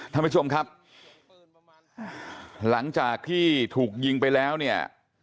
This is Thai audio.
ท่านผู้ชมครับหลังจากที่ถูกยิงไปแล้วเนี่ย